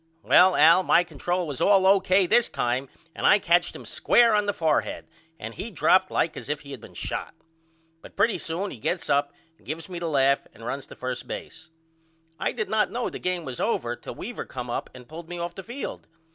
Well Al my control was all O.K. this time and I catched him square on the fourhead and he dropped like as if he had been shot. But pretty soon he gets up and gives me the laugh and runs to first base. I did not know the game was over till Weaver come up and pulled me off the field.